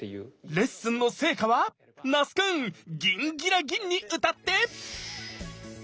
レッスンの成果は⁉那須くんギンギラギンに歌って！